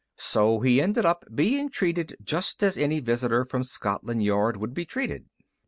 So he ended up being treated just as any visitor from Scotland Yard would be treated.